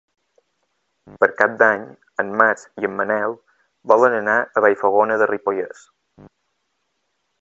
Per Cap d'Any en Max i en Manel volen anar a Vallfogona de Ripollès.